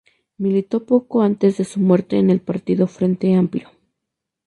Militó poco antes de su muerte en el Partido Frente Amplio.